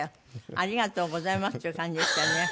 ありがとうございますっていう感じでしたね。